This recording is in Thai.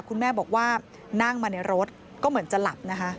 คุณแม่บอกว่านั่งมาในรถก็เหมือนจะหลับนะคะ